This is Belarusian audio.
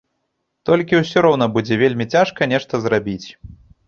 Толькі ўсё роўна будзе вельмі цяжка нешта зрабіць.